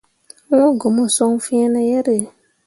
Wũũ go mo son fiine yere.